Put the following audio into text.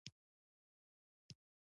• د غاښونو درملنه د خولې صحت تضمینوي.